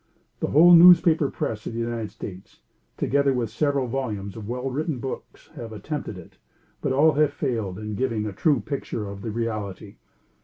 The whole newspaper press of the United States, together with several volumes of well written books, have attempted it, but all have failed in giving a true picture of the reality.